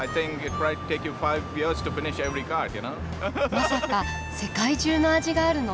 まさか世界中の味があるの？